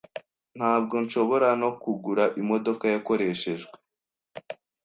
Ntabwo nshobora no kugura imodoka yakoreshejwe.